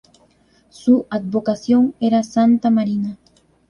Su advocación era Santa Marina.